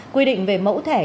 quy định về mẫu thẻ căn cước